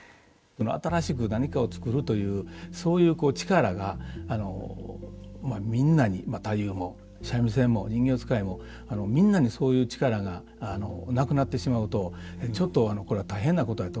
新しく何かをつくるというそういう力がまあみんなに太夫も三味線も人形遣いもみんなにそういう力がなくなってしまうとちょっとこれは大変なことやと思うんですね。